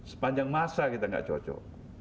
sepanjang masa kita gak cocok